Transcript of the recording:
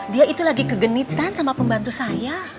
dia itu lagi kegenitan sama pembantu saya